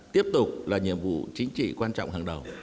tiếp tục là nhiệm vụ chính trị quan trọng hàng đầu